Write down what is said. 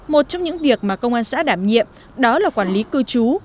một trong những việc mà công an xã đảm nhiệm đó là quản lý cư trú